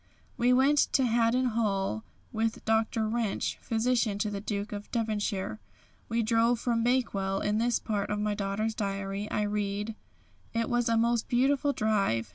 We went to Haddon Hall with Dr. Wrench, physician to the Duke of Devonshire. We drove from Bakewell. In this part of my daughter's diary I read: "It was a most beautiful drive.